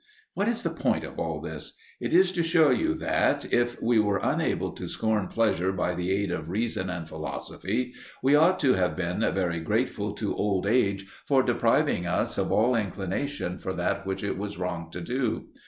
What is the point of all this? It is to show you that, if we were unable to scorn pleasure by the aid of reason and philosophy, we ought to have been very grateful to old age for depriving us of all inclination for that which it was wrong to do.